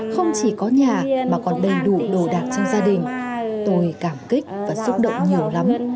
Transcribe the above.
không chỉ có nhà mà còn đầy đủ đồ đạc trong gia đình tôi cảm kích và xúc động nhiều lắm